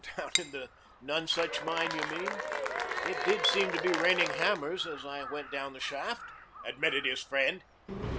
"Down in the None Such Mine, you mean? It did seem to be raining hammers as I went down the shaft," admitted his friend.